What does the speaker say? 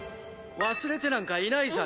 「忘れてなんかいないさ。